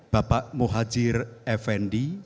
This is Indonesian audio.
bapak muhajir effendi